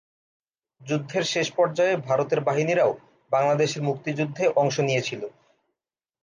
যুদ্ধের শেষ পর্যায়ে ভারতের বাহিনীরাও বাংলাদেশের মুক্তিযুদ্ধে অংশ নিয়েছিল।